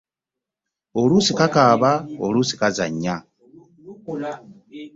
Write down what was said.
Oluusi kakaaba, oluusi kazannya.